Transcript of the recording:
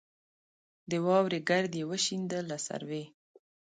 د واورې ګرد یې وشینده له سروې